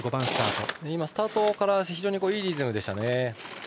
スタートからいいリズムでしたね。